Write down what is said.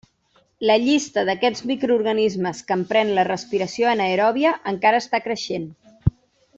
La llista d'aquests microorganismes que empren la respiració anaeròbia, encara està creixent.